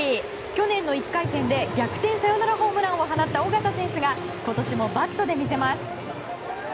去年の１回戦で逆転サヨナラホームランを放った緒方選手が今年もバットで魅せます。